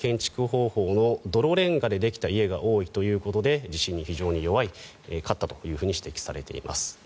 伝統的な建築方法の泥レンガでできた家が多いということで地震に非常に弱かったと指摘されています。